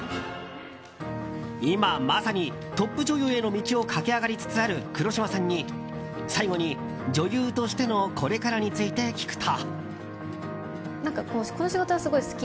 今、まさにトップ女優への道を駆け上がりつつある黒島さんに、最後に女優としてのこれからについて聞くと。